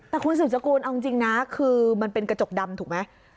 แต่คุณสืบสกุลเอาจริงนะคือมันเป็นกระจกดำถูกไหม